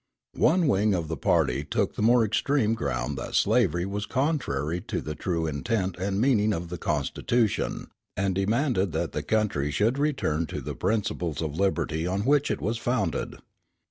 One wing of the party took the more extreme ground that slavery was contrary to the true intent and meaning of the Constitution, and demanded that the country should return to the principles of liberty upon which it was founded.